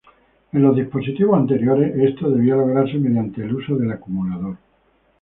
En los dispositivos anteriores, esto debía lograrse mediante el uso del acumulador.